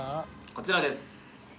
こちらです。